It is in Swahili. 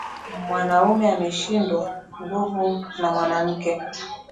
Mwanamume ameshindwa nguvu na mwanamke